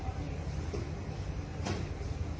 สวัสดีครับ